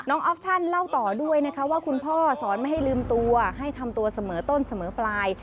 ออฟชั่นเล่าต่อด้วยนะคะว่าคุณพ่อสอนไม่ให้ลืมตัวให้ทำตัวเสมอต้นเสมอปลาย